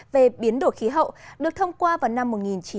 về biến đổi khí hậu được thông qua vào năm một nghìn chín trăm chín mươi bảy